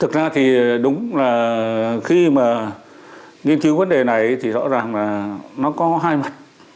thực ra thì đúng là khi mà nghiên cứu vấn đề này thì rõ ràng là nó có hai mặt